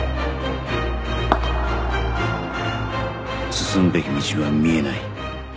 進むべき道は見えない